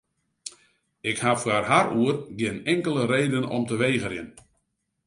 Ik ha foar har oer gjin inkelde reden om te wegerjen.